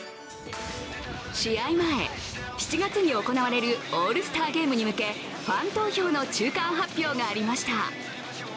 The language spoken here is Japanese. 試合前、７月に行われるオールスターゲームに向け、ファン投票の中間発表がありました。